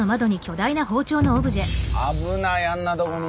危ないあんなとこに。